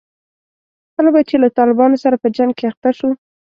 کله به چې له طالبانو سره په جنګ کې اخته شوو.